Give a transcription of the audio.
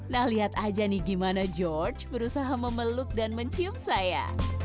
nah lihat aja nih gimana george berusaha memeluk dan mencium saya